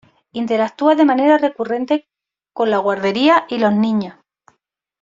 Interactúa de manera recurrente con la guardería y los niños.